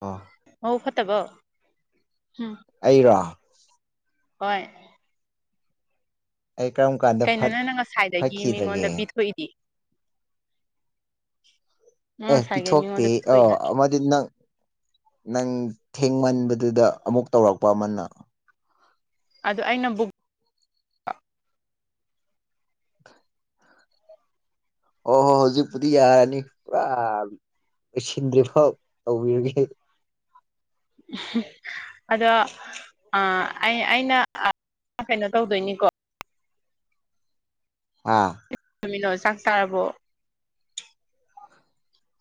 ꯑ ꯃꯕꯨꯛ ꯐꯠꯇꯕꯧ ꯍꯨꯝ ꯑꯩꯔꯣ ꯍꯣꯏ ꯑꯩ ꯀꯔꯝ ꯀꯥꯟ ꯀꯩꯅꯣ ꯅꯪꯅ ꯉꯁꯥꯏꯗꯒꯤ ꯃꯤꯉꯣꯟꯗ ꯄꯤꯊꯣꯛꯏꯗꯤ ꯅꯪ ꯑꯦ ꯉꯁꯥꯏꯒꯩ ꯄꯤꯊꯣꯛꯇꯦ ꯃꯤꯉꯣꯟꯗ ꯄꯤꯊꯣꯛꯏ ꯑꯣ ꯅꯠꯇ꯭ꯔꯣ ꯑꯃ ꯗꯤ ꯅꯪ ꯅꯪ ꯊꯦꯡꯃꯟꯕꯗꯨꯗ ꯑꯃꯨꯛ ꯇꯧꯔꯛꯄ ꯑꯃꯅ ꯑꯗꯨ ꯑꯩꯅ ꯕꯨꯛ ꯍꯣꯏ ꯍꯣꯏ ꯍꯧꯖꯤꯛꯄꯨꯗꯤ ꯌꯥꯔꯅꯤ ꯄꯨꯔꯥ ꯂꯣꯏꯁꯤꯟꯗ꯭ꯔꯤꯐꯥꯎ ꯇꯧꯕꯤꯔꯒꯦ ꯑꯗꫭ ꯑ ꯑꯩ ꯑꯩꯅ ꯀꯩꯅꯣ ꯇꯧꯗꯣꯏꯅꯤꯀꯣ ꯑꯥ ꯇꯃꯤꯅꯣ ꯆꯥꯛ ꯆꯥꯔꯕꯣ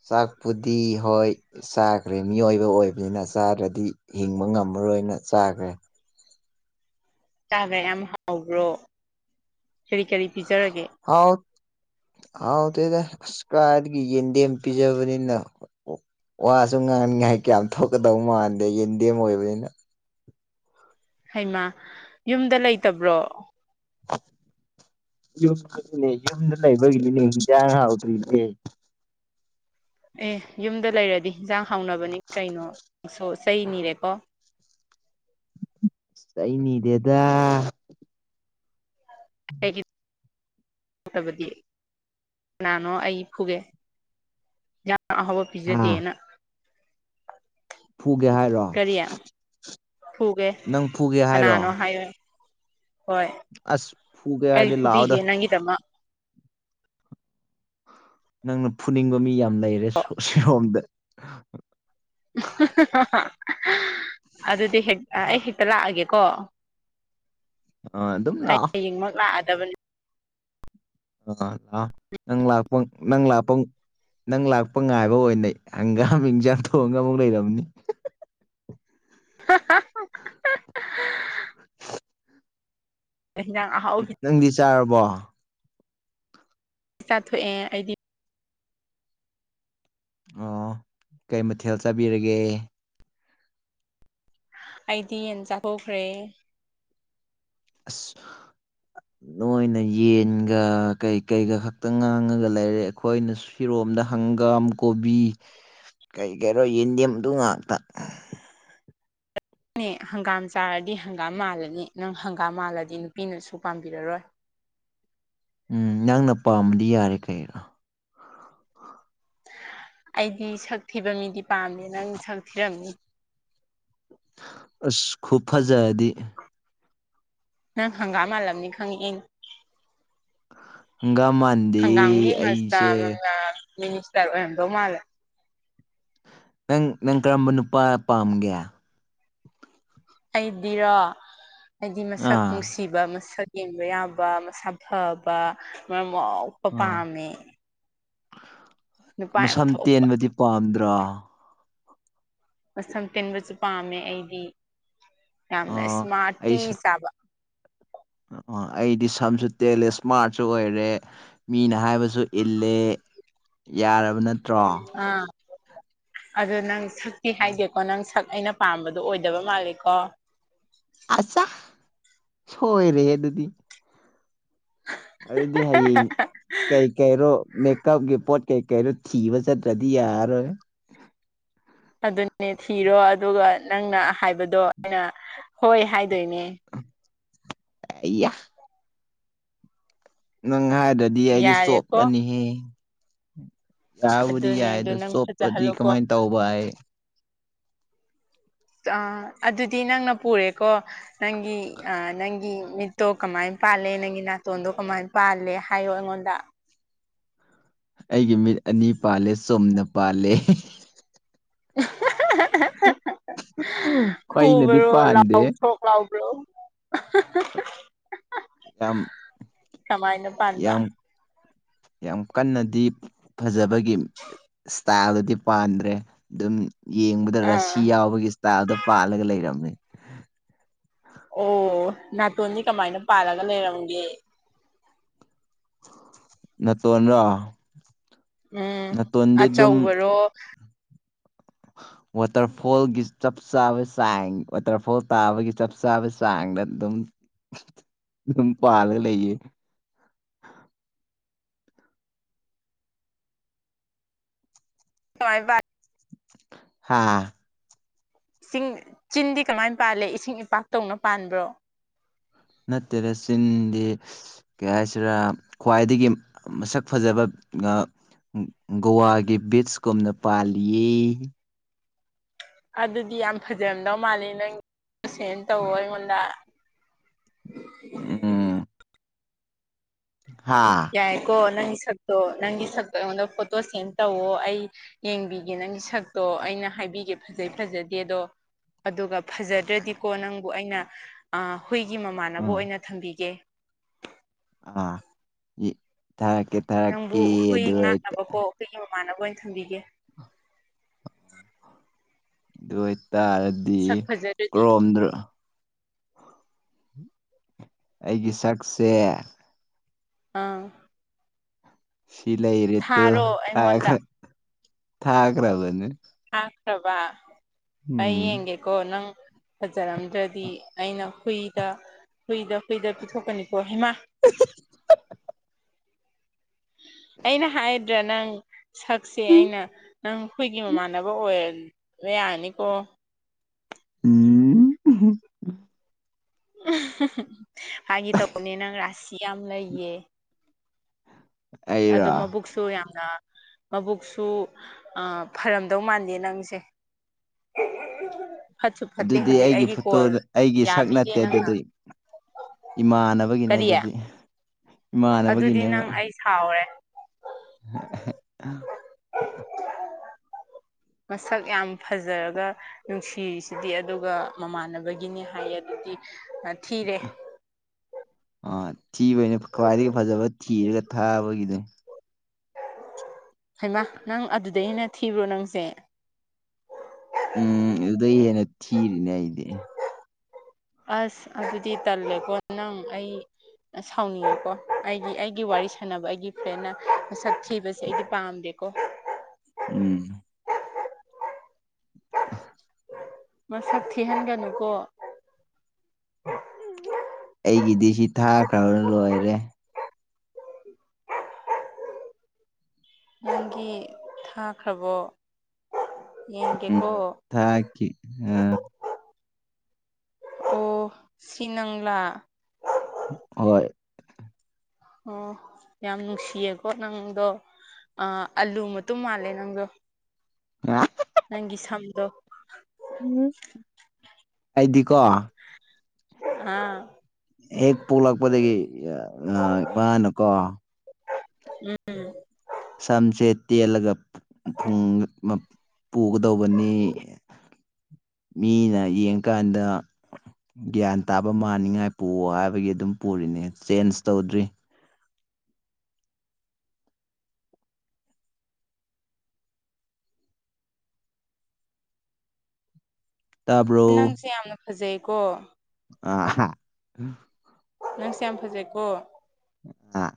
ꯆꯥꯛꯄꯨꯗꯤ ꯍꯣꯏ ꯆꯥꯒꯔꯦ ꯃꯤꯑꯣꯏꯕ ꯑꯣꯏꯕꯅꯤꯅ ꯆꯥꯗ꯭ꯔꯗꯤ ꯍꯤꯡꯕ ꯉꯝꯃꯔꯣꯏꯅ ꯆꯥꯒꯔꯦ ꯆꯥꯒꯔꯦ ꯌꯥꯝ ꯍꯥꯎꯕ꯭ꯔꯣ ꯀꯔꯤ ꯀꯔꯤ ꯄꯤꯖꯔꯒꯦ ꯍꯥꯎ ꯍꯥꯎꯇꯦꯗ ꯑꯁ ꯀꯔꯥꯏꯗꯒꯤ ꯌꯦꯟꯗꯦꯝ ꯄꯤꯖꯕꯅꯤꯅ ꯋꯥꯁꯨ ꯉꯥꯡꯅꯤꯉꯥꯏ ꯀꯌꯥꯝ ꯊꯣꯛꯀꯗꯧ ꯃꯥꯟꯗꯦ ꯌꯦꯟꯗꯦꯝ ꯑꯣꯏꯕꯅꯤꯅ ꯍꯩꯃꯥ ꯌꯨꯝꯗ ꯂꯩꯇꯕ꯭ꯔꯣ ꯌꯨꯝꯅꯦ ꯌꯨꯝꯗ ꯂꯩꯕꯒꯤꯅꯤꯅꯦ ꯍꯤꯟꯖꯥꯡ ꯍꯥꯎꯇ꯭ꯔꯤꯁꯦ ꯑꯦ ꯌꯨꯝꯗ ꯂꯩꯔꯗꯤ ꯌꯦꯟꯖꯥꯡ ꯍꯥꯎꯅꯕꯅꯤ ꯀꯩꯅꯣ ꯅꯪꯁꯨ ꯆꯩ ꯅꯤꯔꯦꯀꯣ ꯆꯩ ꯅꯤꯗꯦꯗꯥ ꯎꯝ [unintelligible] ꯇꯕꯗꯤ ꯀꯅꯥꯅꯣ ꯑꯩ ꯐꯨꯒꯦ ꯌꯥ ꯑꯍꯥꯎꯕ ꯍꯥ ꯄꯤꯖꯗꯦꯅ ꯐꯨꯒꯦ ꯍꯥꯏꯔꯣ ꯀꯔꯤ ꯐꯨꯒꯦ ꯅꯪ ꯐꯨꯒꯦ ꯍꯥꯏꯔꯣ ꯀꯅꯥꯅꯣ ꯍꯥꯏꯌꯣ ꯍꯣꯏ ꯑꯁ ꯐꯨꯒꯦ ꯑꯩ ꯍꯥꯏꯔꯗꯤ ꯂꯥꯛꯑꯣꯗ ꯐꯨꯕꯤꯒꯦ ꯅꯪꯒꯤꯗꯃꯛ ꯅꯪꯅ ꯐꯨꯅꯤꯡꯕ ꯃꯤ ꯌꯥꯝ ꯂꯩꯔꯦ ꯁꯣꯝꯗ ꯑꯗꯨꯗꯤ ꯍꯦꯛꯇꯥ ꯑꯩ ꯍꯦꯛ ꯂꯥꯛꯑꯒꯦꯀꯣ ꯑꯥ ꯑꯗꯨꯝ ꯑꯩ ꯂꯥꯛꯑꯣ ꯍꯌꯦꯡꯃꯛ ꯂꯥꯛꯑꯗꯕꯅꯤ [unintelligible] ꯅꯪ ꯂꯥꯛꯄ ꯅꯪ ꯂꯥꯛꯄ ꯅꯪ ꯂꯥꯛꯄ ꯉꯥꯏꯕ ꯑꯣꯏꯅꯩ ꯍꯪꯒꯥꯝ ꯏꯟꯖꯥꯡ ꯊꯣꯡꯉꯒ ꯑꯃꯨꯛ ꯂꯩꯔꯝꯅꯤ [unintelligible] ꯍꯦꯟꯖꯥꯡ ꯑꯍꯥꯎꯕꯤ ꯅꯪꯗꯤ ꯆꯥꯔꯕꯣ ꯆꯥꯊꯣꯛꯑꯦ ꯑꯩꯗꯤ ꯑꯣ ꯀꯩ ꯃꯊꯦꯜ ꯆꯥꯕꯤꯔꯒꯦ ꯑꯩꯗꯤ ꯌꯦꯟ ꯆꯥꯊꯣꯛꯈ꯭ꯔꯦ ꯑꯁ [unintelligible] ꯅꯣꯏꯅ ꯌꯦꯟꯒ ꯀꯩ ꯀꯩꯒ ꯈꯛꯇ ꯉꯥꯡꯉꯒ ꯂꯩꯔꯦ ꯑꯩꯈꯣꯏꯅ ꯐꯤꯔꯣꯝꯗ ꯍꯪꯒꯥꯝ ꯀꯣꯕꯤ ꯀꯩ ꯀꯩꯅꯣ ꯌꯦꯟꯗꯦꯝꯗꯨ ꯉꯥꯛꯇ ꯅꯪꯅꯦ ꯍꯪꯒꯥꯝ ꯆꯥꯔꯗꯤ ꯍꯪꯒꯥꯝ ꯃꯥꯜꯂꯅꯤ ꯅꯪ ꯍꯪꯒꯥꯝ ꯃꯥꯜꯂꯗꯤ ꯅꯨꯄꯤꯅꯁꯨ ꯄꯥꯝꯕꯤꯔꯔꯣꯏ ꯎꯝ ꯅꯪꯅ ꯄꯥꯝꯃꯗꯤ ꯌꯥꯔꯦ ꯀꯩꯅꯣ ꯑꯩꯗꯤ ꯁꯛ ꯊꯤꯕ ꯃꯤꯗꯤ ꯄꯥꯝꯃꯦ ꯅꯪ ꯁꯛ ꯊꯤꯔꯝꯃꯤ ꯑꯁ ꯈꯨꯞꯐꯖꯗꯤ ꯅꯪ ꯍꯪꯒꯥꯝ ꯃꯥꯜꯂꯝꯅꯤ ꯈꯪꯉꯤ ꯑꯩꯅ ꯍꯪꯒꯥꯝ ꯃꯥꯟꯗꯦ ꯍꯪꯒꯥꯝꯒꯤ [unintelligible] ꯑꯩꯁꯦ ꯃꯤꯅꯤꯁꯇꯔ ꯑꯣꯏꯔꯝꯗꯧ ꯃꯥꯜꯂꯦ ꯅꯪ ꯅꯪ ꯀꯔꯝꯕ ꯅꯨꯄꯥ ꯄꯥꯝꯒꯦ ꯑꯩꯗꯤꯔꯣ ꯑꯩꯗꯤ ꯃꯁꯛ ꯑꯥ ꯅꯨꯡꯁꯤ ꯄꯤꯕ ꯃꯁꯛ ꯌꯦꯡꯕ ꯌꯥꯕ ꯃꯁꯥ ꯐꯕ ꯃꯔꯝ ꯃꯣꯛꯄ ꯑꯥ ꯄꯥꯥꯝꯃꯦ ꯃꯁꯝ ꯊꯣꯛꯄ ꯇꯦꯟꯕꯗꯤ ꯄꯥꯝꯗ꯭ꯔꯣ ꯃꯁꯝ ꯇꯤꯟꯕꯁꯨ ꯄꯥꯝꯃꯦ ꯑꯩꯗꯤ ꯌꯥꯝꯅ ꯑꯣ ꯏꯁꯃ꯭ꯔꯥꯠꯇꯤ ꯑꯩ ꯆꯥꯕ ꯑꯣ ꯑꯩꯗꯤ ꯁꯝꯁꯨ ꯇꯦꯜꯂꯦ ꯏꯁꯃꯥ꯭ꯔꯠꯁꯨ ꯑꯣꯏꯔꯦ ꯃꯤꯅ ꯍꯥꯏꯕꯁꯨ ꯁꯨ ꯏꯜꯂꯦ ꯌꯥꯔꯕꯅ ꯑ ꯑꯗꯨ ꯅꯪ ꯁꯛꯇ ꯍꯥꯏꯗꯦ ꯑꯣ ꯅꯪ ꯁꯛ ꯑꯩꯅ ꯄꯥꯝꯕꯗꯣ ꯑꯣꯏꯗꯕ ꯃꯥꯂꯦ ꯀꯣ ꯑꯆꯥ ꯁꯣꯏꯔꯦ ꯑꯗꯨꯗꯤ ꯑꯗꯨꯗꯤ ꯍꯌꯦꯡ ꯀꯩ ꯀꯩꯔꯣ ꯃꯦꯀꯞꯀꯤ ꯄꯣꯠ ꯀꯩ ꯀꯩꯩꯅꯣ ꯊꯤꯕ ꯆꯠꯇ꯭ꯔꯗꯤ ꯌꯥꯔꯣꯏ ꯑꯗꯨꯅꯦ ꯊꯤꯔꯣ ꯑꯗꯨꯒ ꯅꯪꯅ ꯍꯥꯏꯕꯗꯣ ꯑꯩꯅ ꯍꯣꯏ ꯍꯥꯏꯗꯣꯏꯅꯦ ꯑꯌꯥ ꯅꯪ ꯍꯥꯏꯗꯗꯤ ꯑꯩꯗꯤ ꯌꯥꯔꯦꯀꯣ ꯆꯣꯞꯄꯅꯤꯍꯦ ꯌꯥꯥꯕꯨꯗꯤ ꯑꯗꯨꯅꯦ ꯌꯥꯏ ꯑꯗꯨ ꯑꯗꯣ ꯅꯪ ꯆꯣꯞꯄꯗꯤ ꯐꯖꯍꯜꯂꯣꯀꯣ ꯀꯃꯥꯏ ꯇꯧꯕ ꯑꯩ ꯑꯗꯨꯗꯤ ꯅꯪꯅ ꯄꯨꯔꯦꯀꯣ ꯅꯪꯒꯤ ꯑ ꯅꯪꯒꯤ ꯃꯤꯠꯇꯣ ꯀꯃꯥꯏ ꯄꯥꯜꯂꯦ ꯅꯪꯒꯤ ꯅꯥꯇꯣꯟꯗꯣ ꯀꯃꯥꯏ ꯄꯥꯜꯂꯦ ꯍꯥꯏꯌꯣ ꯑꯩꯉꯣꯟꯗ ꯑꯩꯒꯤ ꯃꯤꯠ ꯑꯅꯤ ꯄꯥꯜꯂꯦ ꯆꯨꯝꯅ ꯄꯥꯜꯂꯦ ꯄꯩꯅꯗꯤ ꯄꯗꯦ ꯐ꯭ꯂꯥꯎ ꯄ꯭ꯂꯎ [inaudible] ꯌꯥꯝ ꯀꯃꯥꯏꯅ ꯌꯥꯝ ꯌꯥꯝ ꯀꯟꯅꯗꯤ ꯐꯖꯕ ꯏꯁꯇꯥꯏꯜꯗꯗꯤ ꯄꯥꯟꯗ꯭ꯔꯦ ꯑꯗꯨꯝ ꯌꯦꯡꯕꯗ ꯔꯁꯤ ꯑꯥ ꯌꯥꯎꯕꯒꯤ ꯇꯇꯥꯜꯗ ꯄꯥꯜꯂꯒ ꯂꯩꯔꯝꯃꯦ ꯑꯣ ꯅꯥꯇꯣꯟꯗꯤ ꯀꯃꯥꯏꯅ ꯄꯥꯜꯂꯒ ꯂꯩꯔꯝꯒꯦ ꯇꯣꯟꯔꯣ ꯎꯝ ꯅꯥꯇꯣꯟꯗꯤ ꯑꯗꯨꯝ ꯍꯦ [unintelligible] ꯋꯥꯇꯔꯐꯣꯜꯒꯤ ꯆꯞ ꯆꯥꯕ ꯆꯥꯡ ꯋꯥꯇꯔꯐꯣꯜ ꯇꯥꯕꯒꯤ ꯆꯞ ꯆꯥꯕ ꯆꯥꯡꯗ ꯑꯗꯨꯝ [inaudible] ꯎꯝ ꯄꯥꯂꯒ ꯂꯩꯌꯦ [unintelligible] ꯍꯥꯥ ꯏꯁꯤꯡ ꯆꯤꯟꯗꯤ ꯀꯃꯥꯏꯅ ꯄꯥꯜꯂꯦ ꯏꯁꯤꯡ ꯏꯄꯥꯛꯇꯧꯅ ꯄꯥꯟꯕ꯭ꯔꯣ ꯅꯠꯇꯦꯔ ꯆꯤꯟꯗꯤ ꯀꯩ ꯍꯥꯏꯁꯤꯔꯥ ꯈ꯭ꯋꯥꯏꯗꯒꯤ ꯃꯁꯛ ꯐꯖꯕ ꯒꯋꯥꯒꯤ ꯕꯤꯠꯁ ꯀꯨꯝꯅ ꯄꯥꯜꯂꯤꯌꯦ ꯑꯗꯨꯗꯤ ꯌꯥꯝ ꯐꯖꯝꯗꯧ ꯃꯥꯜꯂꯦ ꯅꯪ ꯁꯦꯟ ꯇꯧ ꯑꯣ ꯑꯩꯉꯣꯟꯗ ꯎꯝ ꯍꯥ ꯌꯥꯏꯀꯣ ꯅꯪꯒꯤ ꯁꯛꯇꯣ ꯅꯪꯒꯤ ꯁꯛꯇꯣ ꯑꯩꯉꯣꯟꯗ ꯐꯣꯇꯣ ꯁꯦꯟ ꯇꯧꯋꯣ ꯑꯩ ꯌꯦꯡꯕꯤꯒꯦ ꯅꯪꯒꯤ ꯁꯛꯇꯣ ꯑꯩꯅ ꯍꯥꯏꯕꯤꯒꯦ ꯐꯖꯩ ꯐꯖꯗꯦ ꯑꯗꯣ ꯑꯗꯨꯒ ꯐꯖꯗ꯭ꯔꯗꯤꯀꯣ ꯅꯪꯕꯨ ꯑꯩꯅ ꯑꯥ ꯍꯨꯏꯒꯤ ꯃꯃꯥꯟꯅꯕ ꯎꯝ ꯑꯣꯏꯅ ꯊꯝꯕꯤꯒꯦ ꯑ ꯊꯔꯛꯀꯤ ꯊꯔꯀꯤ ꯑꯗꯨ ꯑꯗꯨ ꯑ ꯑꯩꯈꯣꯏꯒꯤ ꯃꯃꯥꯟꯅꯕ ꯑꯣꯏꯅ ꯊꯝꯕꯤꯒꯦ ꯗꯨ ꯑꯣꯏꯇꯥꯔꯗꯤ ꯁꯛ ꯐꯖꯔꯗꯤ ꯀ꯭ꯔꯣꯝꯗ ꯑꯩꯒꯤ ꯁꯛꯁꯦ ꯑꯥ ꯁꯤꯂꯩꯔꯦꯇꯣ ꯊꯥꯔꯣ ꯑꯩꯉꯣꯟꯗ ꯊꯥꯒ꯭ꯔ ꯊꯥꯒ꯭ꯔꯕꯅꯤ ꯊꯥꯈ꯭ꯔꯕ ꯎꯝ ꯑꯩꯌꯦꯒꯦꯀꯣ ꯅꯪ ꯐꯖꯔꯝꯗ꯭ꯔꯗꯤ ꯑꯩꯅ ꯍꯨꯏꯗ ꯍꯨꯏꯗ ꯍꯨꯏꯗ ꯄꯤꯊꯣꯛꯀꯅꯤꯀꯣ ꯍꯩꯃꯥ [inaudible] ꯑꯩꯅ ꯍꯥꯏꯗ꯭ꯔꯥ ꯅꯪ ꯁꯛꯁꯦ ꯑꯩꯅ ꯅꯪ ꯑꯩꯈꯣꯏꯒꯤ ꯃꯃꯥꯟꯅꯕ ꯑꯣꯏꯕ ꯌꯥꯅꯤꯀꯣ ꯎꯝ ꯐꯒꯤ ꯇꯧꯕꯅꯦ ꯅꯪ ꯔꯥꯁꯤ ꯌꯥꯝ ꯂꯩꯌꯦ ꯑꯩꯔꯣ ꯑꯗꯣ ꯃꯕꯨꯛꯁꯨ ꯌꯥꯝꯅ ꯃꯕꯨꯛꯁꯨ ꯐꯔꯝꯗꯧ ꯃꯥꯟꯗꯦ ꯅꯪꯁꯦ [unintelligible] ꯐꯠꯇꯦ ꯑꯗꯨꯗꯤ ꯍꯧꯖꯤꯛ ꯑꯩꯒꯤ ꯐꯣꯇꯣ ꯀꯣꯜ ꯑꯩꯒꯤ ꯁꯛ ꯌꯥꯕꯤꯗꯦ ꯅꯠꯇꯦ ꯅꯪꯅ ꯑꯗꯨꯗꯤ ꯏꯃꯥꯟꯅꯕꯒꯤꯅꯦ ꯀꯔꯤ ꯑꯗꯨꯗꯤ ꯑꯗꯨꯗꯤ ꯏꯃꯥꯟꯅꯕꯒꯤꯅꯦꯕ ꯅꯪ ꯑꯩ ꯁꯥꯎꯔꯦ [unintelligible] ꯃꯁꯛ ꯌꯥꯝ ꯐꯖꯔꯒ ꯅꯨꯡꯁꯤꯔꯤꯁꯤꯗꯤ ꯑꯗꯨꯒ ꯃꯃꯥꯟꯅꯕꯒꯤꯅꯤ ꯍꯥꯏꯌꯦ ꯑꯗꯨꯗꯤ ꯑ ꯊꯤꯔꯦ ꯑꯥ ꯊꯤꯕꯩꯅꯦ ꯈ꯭ꯋꯥꯏꯗꯒꯤ ꯐꯖꯕ ꯊꯤꯔꯒ ꯊꯥꯕꯒꯤꯅꯦ ꯍꯩꯃꯥ ꯅꯪ ꯑꯗꯨꯗꯩ ꯍꯦꯟꯅ ꯊꯤꯕ꯭ꯔꯣ ꯅꯪꯁꯦ ꯎꯝ ꯑꯗꯨꯗꯩ ꯍꯦꯟꯅ ꯊꯤꯔꯤꯅꯦ ꯑꯩꯗꯤ ꯑꯁ ꯑꯗꯨꯗꯤ ꯇꯜꯂꯦꯀꯣ ꯅꯪ ꯑꯩ ꯑ ꯁꯥꯎꯅꯤꯡꯉꯦꯀꯣ ꯑꯩꯒꯤ ꯑꯩꯒꯤ ꯋꯥꯔꯤ ꯁꯥꯟꯅꯕ ꯑꯩꯒꯤ ꯐ꯭ꯔꯦꯟꯅ ꯃꯁꯛ ꯊꯤꯕꯁꯦ ꯑꯩꯗꯤ ꯄꯥꯝꯗꯦꯀꯣ ꯎꯝ [inaudible] ꯃꯁꯛ ꯊꯤꯍꯟꯒꯅꯨꯀꯣ ꯑꯩꯒꯤꯗꯤ ꯁꯤ ꯊꯥꯈ꯭ꯔꯕꯅ ꯂꯣꯏꯔꯦ ꯅꯪꯒꯤ ꯊꯥꯈ꯭ꯔꯕꯣ ꯌꯦꯡꯒꯦꯀꯣ ꯊꯥꯀꯤ ꯑ ꯑꯣ ꯁꯤ ꯅꯪꯂ ꯍꯣꯏ ꯑꯣ ꯌꯥꯝ ꯅꯨꯡꯁꯤꯌꯦꯀꯣ ꯅꯪꯗꯣ ꯑ ꯑꯂꯨ ꯃꯇꯨꯝ ꯃꯥꯜꯂꯦ ꯅꯪꯗꯣ [unintelligible] ꯅꯪꯒꯤ ꯁꯝꯗꯣ ꯎꯝ ꯑꯩꯗꯤꯀꯣ ꯍꯥꯥ ꯍꯦꯛ ꯄꯣꯛꯂꯛꯄꯗꯒꯤ ꯑ ꯃꯥꯅꯀꯣ ꯎꯝ ꯁꯝꯆꯦꯠ ꯇꯦꯜꯂꯒ ꯐꯨꯡ ꯃ ꯄꯨꯒꯗꯧꯕꯅꯤ ꯃꯤꯅ ꯌꯦꯡꯀꯥꯟꯗ ꯒ꯭ꯌꯥꯟ ꯇꯥꯕ ꯃꯥꯟꯅꯤꯡꯉꯥꯏ ꯄꯨꯑꯣ ꯍꯥꯏꯕꯒꯤ ꯑꯗꯨꯝ ꯄꯨꯔꯤꯅꯦ ꯆꯦꯟꯖ ꯇꯧꯗ꯭ꯔꯤ ꯇꯥꯕ꯭ꯔꯣ ꯅꯪꯁꯦ ꯌꯥꯝꯅ ꯐꯖꯩꯀꯣ ꯑ ꯍꯥ ꯅꯪꯁꯦ ꯌꯥꯝ ꯐꯖꯩꯀꯣ ꯑꯥ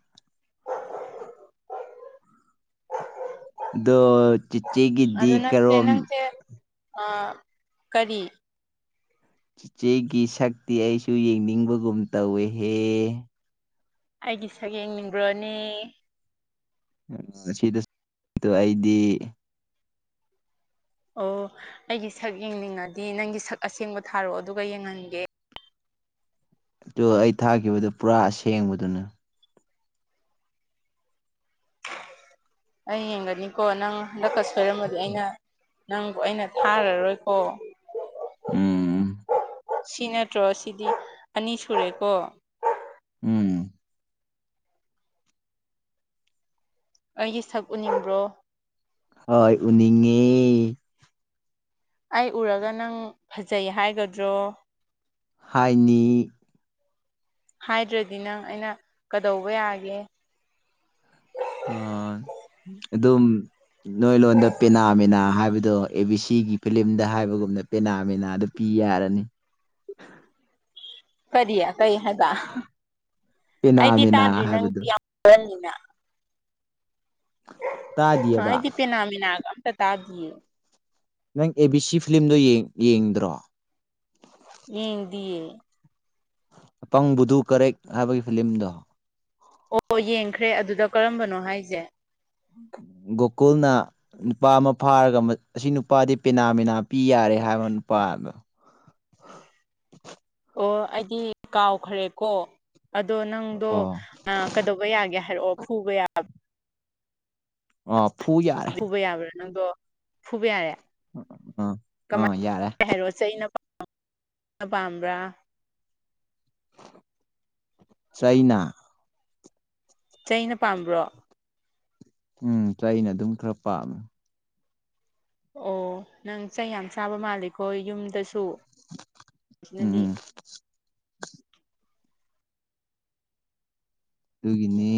ꯗꯣ ꯆꯤꯆꯦꯒꯤꯗꯤ ꯀꯔꯣꯝ ꯑꯥ ꯀꯔꯤ ꯆꯤꯆꯦꯒꯤ ꯁꯛꯇꯤ ꯑꯩꯁꯨ ꯌꯦꯡꯅꯤꯡꯕꯒꯨꯝ ꯇꯧꯌꯦꯍꯦ ꯑꯩꯒꯤ ꯁꯛ ꯌꯦꯡꯅꯤꯡꯕ꯭ꯔꯣꯅꯤ ꯎ ꯁꯤꯗꯁꯨ ꯇꯨ ꯑꯩꯗꯤ ꯑꯣ ꯑꯩꯒꯤ ꯁꯛ ꯌꯦꯡꯅꯤꯡꯉꯗꯤ ꯅꯪꯒꯤ ꯁꯛ ꯑꯁꯦꯡꯕ ꯊꯥꯔꯛꯑꯣ ꯑꯗꯨꯒ ꯌꯦꯡꯉꯟꯒꯦ ꯑꯗꯣ ꯑꯩ ꯊꯥꯈꯤꯕꯗꯨ ꯄꯨꯔꯥ ꯑꯁꯦꯡꯕꯗꯨꯅꯦ ꯑꯩ ꯌꯦꯡꯒꯅꯤꯀꯣ ꯅꯪ ꯍꯟꯗꯛꯀ ꯁꯣꯏꯔꯝꯃꯗꯤ ꯑꯩꯅ ꯅꯪꯕꯨ ꯑꯩꯅ ꯊꯥꯔꯔꯣꯏꯀꯣ ꯎꯝ ꯁꯤ ꯅꯠꯇ꯭ꯔꯣ ꯁꯤꯗꯤ ꯑꯅꯤ ꯁꯨꯔꯦꯀꯣ ꯎꯝ ꯑꯩꯒꯤ ꯁꯛ ꯎꯅꯤꯡꯕ꯭ꯔꯣ ꯍꯣꯏ ꯎꯅꯤꯡꯉꯦ ꯑꯩ ꯎꯔꯒ ꯅꯪ ꯐꯖꯩ ꯍꯥꯏꯒꯗ꯭ꯔꯣ ꯍꯥꯏꯅꯤ ꯍꯥꯏꯗ꯭ꯔꯗꯤ ꯅꯪ ꯑꯩꯅ ꯀꯗꯧꯕ ꯌꯥꯒꯦ ꯑ ꯑꯗꯨꯝ ꯅꯣꯏꯂꯣꯟꯗ ꯄꯦꯅꯥꯃꯤꯅꯥ ꯍꯥꯏꯕꯗꯣ ꯑꯦ ꯕꯤ ꯁꯤꯒꯤ ꯐꯤꯂꯝꯗ ꯍꯥꯏꯕꯒꯨꯝꯅ ꯄꯦꯅꯥ ꯃꯦꯅꯥꯗꯨ ꯄꯤ ꯌꯥꯔꯅꯤ ꯀꯔꯤ ꯀꯩ ꯍꯥꯏꯕ ꯑꯩꯗꯤ ꯄꯦꯅꯥꯃꯤꯅꯥ ꯇꯥꯗ꯭ꯔꯤ ꯍꯥꯏꯕꯗꯣ ꯅꯪꯗꯤ ꯌꯥꯝꯔꯅꯤꯅ ꯑ ꯇꯥꯗꯤꯌꯦꯕ ꯑꯩꯗꯤ ꯄꯦꯅꯥꯃꯦꯅꯒ ꯑꯝꯇ ꯇꯥꯗꯤꯌꯦ ꯅꯪ ꯑꯦ ꯕꯤ ꯁꯤ ꯐꯤꯂꯝꯗꯣ ꯌꯦꯡ ꯌꯦꯡꯗ꯭ꯔꯣ ꯌꯦꯡꯗꯤꯌꯦ ꯑꯄꯪꯕꯨꯗꯨ ꯀꯔꯦꯛ ꯍꯥꯏꯕꯒꯤ ꯐꯤꯂꯝꯗꯣ ꯑꯣ ꯌꯦꯡꯈ꯭ꯔꯦ ꯑꯗꯨꯗ ꯀꯔꯝꯕꯅꯣ ꯍꯥꯏꯁꯦ ꯒꯣꯀꯨꯜꯅ ꯅꯨꯄꯥ ꯑꯃ ꯐꯥꯔꯒ ꯃꯠ ꯑꯁꯤ ꯅꯨꯄꯥꯗꯤ ꯄꯦꯅꯥꯃꯤꯅꯥ ꯄꯤ ꯌꯥꯔꯦ ꯍꯥꯏꯕ ꯅꯨꯄꯥꯗꯣ ꯑꯣ ꯑꯩꯗꯤ ꯀꯥꯎꯈ꯭ꯔꯦꯀꯣ [inaudible] ꯑꯗꯣ ꯅꯪꯗꯣ ꯑꯣ ꯀꯩꯗꯧꯕ ꯌꯥꯒꯦ ꯍꯥꯏꯔꯛꯑꯣ ꯐꯨꯕ ꯌꯥꯕ ꯑꯣ ꯐꯨ ꯌꯥ ꯐꯨꯕ ꯌꯥꯕ꯭ꯔꯥ ꯅꯪꯗꯣ ꯐꯨꯕ ꯌꯥꯔꯦ ꯑ ꯑ ꯌꯥꯔꯦ ꯀꯩ ꯍꯥꯏꯔꯣꯁ ꯆꯩꯅ ꯄꯥꯝꯕ꯭ꯔꯥ ꯆꯩꯅꯥ ꯆꯩꯩꯅ ꯄꯥꯝꯕ꯭ꯔꯣ ꯎꯝ ꯆꯩꯅ ꯑꯗꯨꯝ ꯈꯔ ꯄꯥꯝꯃꯦ ꯑꯣ ꯅꯪ ꯆꯩ ꯌꯥꯝ ꯆꯥꯕ ꯃꯥꯜꯂꯦꯈꯣ ꯌꯨꯝꯗꯁꯨ ꯎꯝ ꯁꯤꯅꯗꯤ ꯎꯝ ꯑꯗꯨꯒꯤꯅꯤ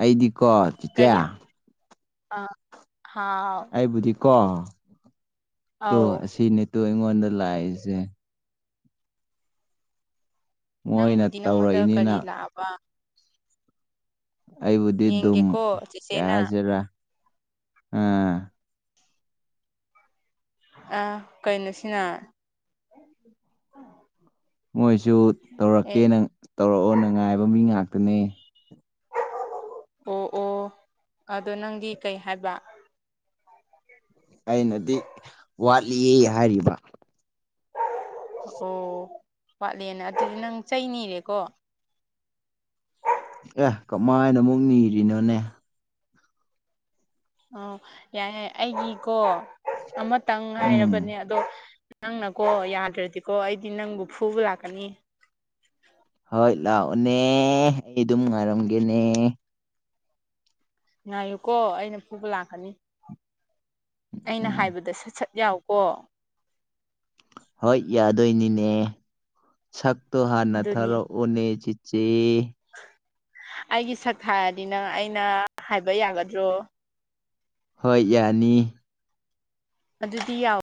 ꯑꯩꯗꯤꯀꯣ ꯆꯤꯆꯦ ꯌꯥ ꯑ ꯍꯥꯎ [unintelligible] [inaudible] ꯍꯥꯏꯕꯨꯗꯤꯀꯣ ꯇꯣ ꯑꯧ ꯑꯁꯤꯅꯦꯠꯇꯣ ꯑꯩꯉꯣꯟꯗ ꯂꯥꯛꯏꯁꯦ ꯃꯣꯏꯅ ꯅꯪꯕꯨꯗꯤ ꯅꯪꯉꯣꯟꯗ ꯇꯧꯔꯛꯏꯅꯤꯅ ꯀꯔꯤ ꯂꯥꯛꯑꯕ ꯑꯩꯕꯨꯗꯤ ꯗꯨꯝ ꯌꯦꯡꯒꯦꯀꯣ ꯀꯩ ꯆꯦꯆꯦꯅ ꯍꯥꯏꯁꯤꯔꯥ ꯑꯥ ꯑ ꯀꯩꯅꯣꯁꯤꯅ ꯃꯣꯏꯁꯨ ꯑꯦ ꯇꯧꯔꯛꯀꯦꯅ ꯇꯧꯔꯛꯑꯣꯅ ꯉꯥꯏꯕ ꯃꯤ ꯉꯥꯛꯇꯅꯦ ꯑꯣ ꯑꯣ ꯑꯗꯣ ꯅꯪꯗꯤ ꯀꯩ ꯍꯥꯏꯕ ꯑꯩꯅꯗꯤ ꯋꯥꯠꯂꯤꯌꯦ ꯍꯥꯏꯔꯤꯕ ꯑꯣ ꯋꯥꯠꯂꯦꯅ ꯑꯗꯨꯗꯤ ꯅꯪ ꯆꯩꯅꯤꯔꯦꯀꯣ [inaudible] ꯑꯦ ꯀꯃꯥꯏꯅ ꯑꯃꯨꯛ ꯅꯤꯔꯤꯅꯣꯅꯦ ꯑꯣ ꯌꯥꯔꯦ ꯌꯥꯔꯦ ꯑꯩꯒꯤꯀꯣ ꯑꯃꯇꯪ ꯎꯝ ꯉꯥꯏꯔꯕꯅꯦ ꯑꯗꯣ ꯅꯪꯅꯀꯣ ꯌꯥꯗ꯭ꯔꯗꯤꯀꯣ ꯑꯩꯗꯤ ꯅꯪꯕꯨ ꯐꯨꯕ ꯂꯥꯛꯀꯅꯤ ꯍꯣꯏ ꯂꯥꯛꯑꯣꯅꯦ ꯑꯩ ꯑꯗꯨꯝ ꯉꯥꯏꯔꯝꯒꯦꯅꯦ ꯉꯥꯏꯌꯨꯀꯣ ꯑꯩꯅ ꯐꯨꯕ ꯂꯥꯛꯀꯅꯤ ꯑꯩꯅ ꯎꯝ ꯍꯥꯏꯕꯗ ꯁꯠ ꯁꯠ ꯌꯥꯎꯀꯣ ꯍꯣꯏ ꯌꯥꯗꯣꯏꯅꯤꯅꯦ ꯁꯛꯇꯣ ꯍꯥꯟꯅ ꯑꯗꯨꯅꯤ ꯊꯥꯔꯣ ꯑꯣꯅꯦ ꯆꯤꯆꯦ ꯑꯩꯒꯤ ꯁꯛ ꯍꯥꯏꯔꯗꯤ ꯅꯪ ꯑꯩꯅ ꯍꯥꯏꯕ ꯌꯥꯒꯗ꯭ꯔꯣ ꯍꯣꯏ ꯌꯥꯅꯤ ꯑꯗꯨꯗꯤ ꯌꯥꯎ